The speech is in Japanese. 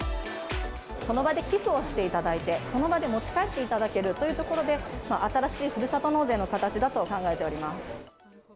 その場で寄付をしていただいて、その場で持ち帰っていただけるということで、新しいふるさと納税の形だと考えております。